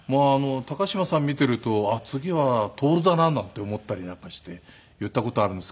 高島さん見ていると次は徹だななんて思ったりなんかして言った事あるんですけど。